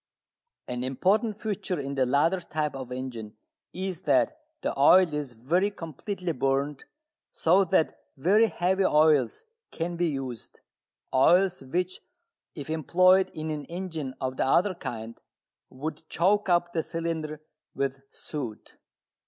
An important feature in the latter type of engine is that the oil is very completely burnt, so that very heavy oils can be used, oils which, if employed in an engine of the other kind, would choke up the cylinder with soot.